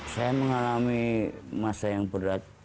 saya mengalami masa yang berat